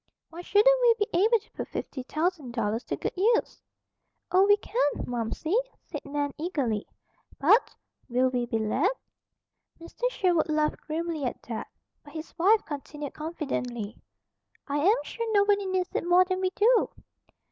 "Why shouldn't we be able to put fifty thousand dollars to good use?" "Oh, we can, Momsey," said Nan eagerly. "But, will we be let?" Mr. Sherwood laughed grimly at that; but his wife continued confidently: "I am sure nobody needs it more than we do."